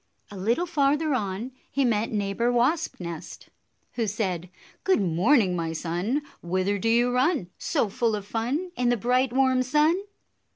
A little farther on he met Neighbor Wasp nest, who said, "Good morning, my son! Whither do you run, So full of fun, In the bright, warm sun?"